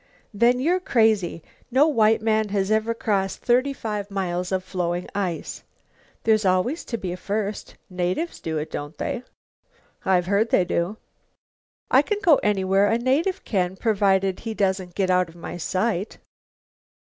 "Then you're crazy. No white man has ever crossed thirty five miles of floeing ice." "There's always to be a first. Natives do it, don't they?" "I've heard they do." "I can go anywhere a native can, providing he doesn't get out of my sight."